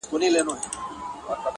بې حیا یم، بې شرفه په وطن کي,